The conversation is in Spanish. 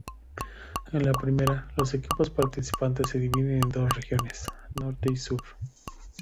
En la primera, los equipos participantes se dividen en dos regiones, Norte y Sur.